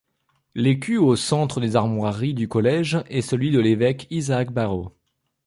L'écu au centre des armoiries du collège est celui de l'évêque Isaac Barrow.